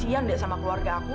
kasian deh sama keluarga aku